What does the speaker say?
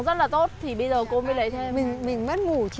và là một điều khó lý giải